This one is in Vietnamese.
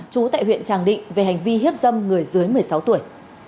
trú tại huyện tràng định về hành vi hiếp dâm người dưới một mươi sáu tuổi